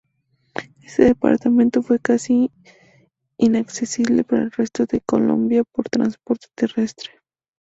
Este Departamento fue casi inaccesible para el resto de Colombia por transporte terrestre.